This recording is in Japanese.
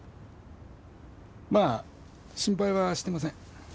まあ心配はしてません。